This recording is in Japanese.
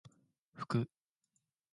ふく